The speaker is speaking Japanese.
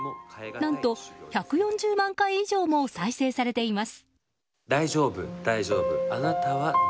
何と、１４０万回以上も再生されています。